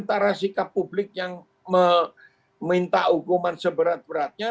antara sikap publik yang meminta hukuman seberat beratnya